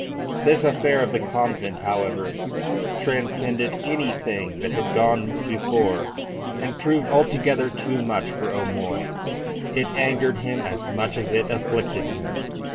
This affair of the convent, however, transcended anything that had gone before and proved altogether too much for O'Moy. It angered him as much as it afflicted him.